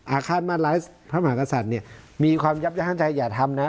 อาฆาตมาตรไลฟ์พระมหากษัตริย์เนี่ยมีความยับยั้งใจอย่าทำนะ